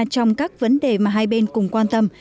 trong các vấn đề mà hai bên cùng quan tâm